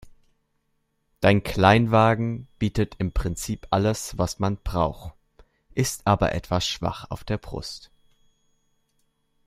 Dein Kleinwagen bietet im Prinzip alles, was man braucht, ist aber etwas schwach auf der Brust.